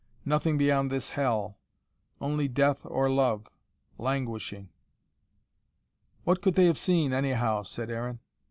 Nothing beyond this hell only death or love languishing " "What could they have seen, anyhow?" said Aaron.